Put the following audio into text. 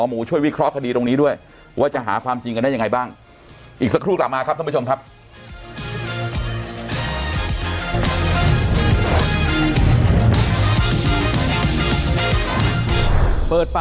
มูช่วยวิเคราะห์คดีตรงนี้ด้วยว่าจะหาความจริงได้ยังไงบ้างอีกนึงปรากฎ